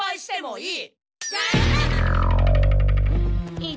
いい。